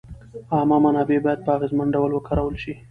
عامه منابع باید په اغېزمن ډول وکارول شي.